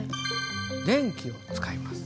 電気を使います。